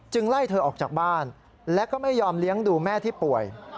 ไล่เธอออกจากบ้านและก็ไม่ยอมเลี้ยงดูแม่ที่ป่วย